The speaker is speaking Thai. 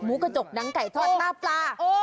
กระจกหนังไก่ทอดหน้าปลา